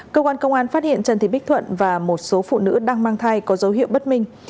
cơ quan công an phát hiện trần thị bích thuận và một số phụ nữ đang mang thai có dấu hiệu bất minh